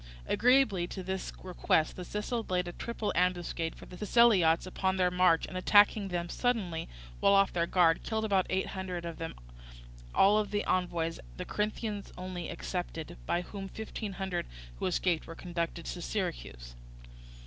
Agreeably to this request the Sicels laid a triple ambuscade for the Siceliots upon their march, and attacking them suddenly, while off their guard, killed about eight hundred of them and all the envoys, the Corinthian only excepted, by whom fifteen hundred who escaped were conducted to Syracuse.